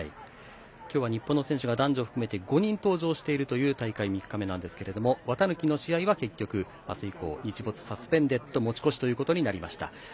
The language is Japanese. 今日は日本の選手が男女含めて５人出場しているという大会３日目なんですが綿貫の試合は結局、明日以降日没サスペンデッドで持ち越しとなりました。